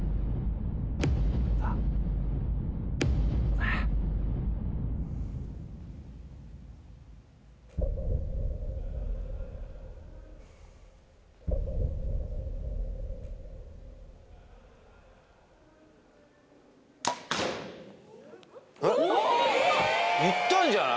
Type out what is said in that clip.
えっえっいったんじゃない？